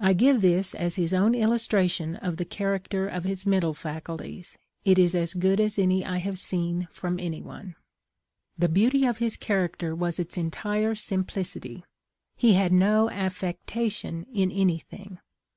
I give this as his own illustration of the character of his mental faculties ; it is as good as any I have seen from anyone. " The beauty of his character was its entire sim plicity. He had no affectation in anything.